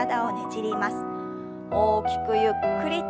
大きくゆっくりと。